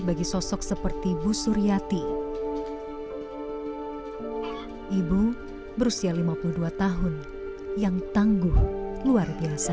bagi sosok seperti bu suryati ibu berusia lima puluh dua tahun yang tangguh luar biasa